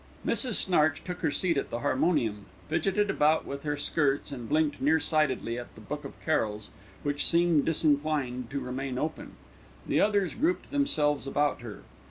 Mrs. Snarch took her seat at the harmonium, fidgetted about with her skirts and blinked near sightedly at the book of carols, which seemed disinclined to remain open. The others grouped themselves about her.